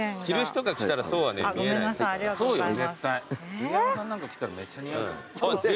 杉山さんなんか着たらめっちゃ似合う。